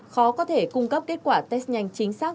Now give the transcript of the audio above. khó có thể cung cấp kết quả test nhanh chính xác